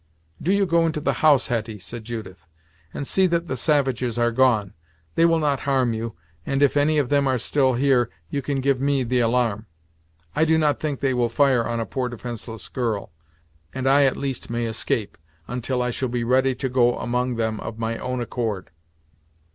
"Do you go into the house, Hetty," said Judith, "and see that the savages are gone. They will not harm you, and if any of them are still here you can give me the alarm. I do not think they will fire on a poor defenceless girl, and I at least may escape, until I shall be ready to go among them of my own accord."